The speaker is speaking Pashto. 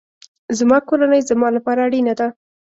زما کورنۍ زما لپاره اړینه ده